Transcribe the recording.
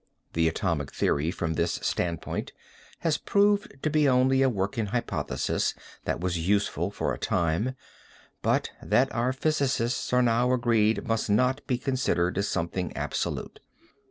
The atomic theory from this standpoint has proved to be only a working hypothesis that was useful for a time, but that our physicists are now agreed must not be considered as something absolute.